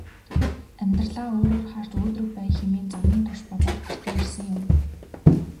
Амьдралаа өөрөөр харж өөдрөг байя хэмээн замын турш бодоод гэртээ ирсэн юм.